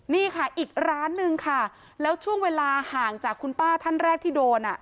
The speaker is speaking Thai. นี่ค่ะอีกร้านนึงค่ะแล้วช่วงเวลาห่างจากคุณป้าท่านแรกที่โดนอ่ะ